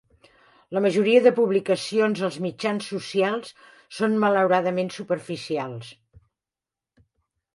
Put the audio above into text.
La majoria de publicacions als mitjans socials són malauradament superficials.